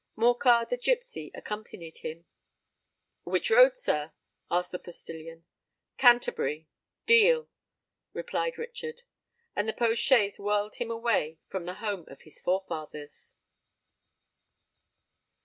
Morcar, the gipsy, accompanied him. "Which road, sir?" asked the postillion. "Canterbury—Deal," replied Richard. And the post chaise whirled him away from the home of his forefathers!